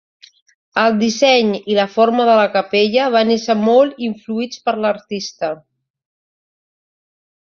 El disseny i la forma de la capella van ésser molt influïts per l'artista.